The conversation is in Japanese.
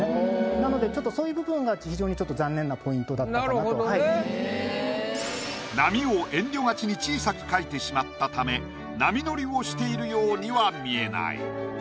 なのでそういう部分が非常にちょっと残念なポイントだったかなと。波を遠慮がちに小さく描いてしまったため波乗りをしているようには見えない。